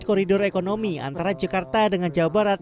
koridor ekonomi antara jakarta dengan jawa barat